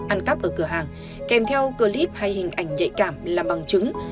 ăn cắp ở cửa hàng kèm theo clip hay hình ảnh nhạy cảm là bằng chứng